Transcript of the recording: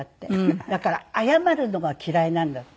だから謝るのが嫌いなんだって。